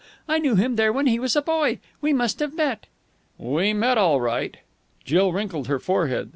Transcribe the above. I knew him there when he was a boy. We must have met!" "We met all right." Jill wrinkled her forehead.